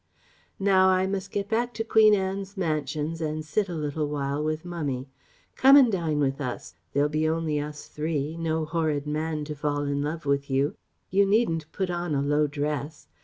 "Now I must go back to Queen Anne's Mansions and sit a little while with Mummy. Come and dine with us? There'll only be us three ... no horrid man to fall in love with you.... You needn't put on a low dress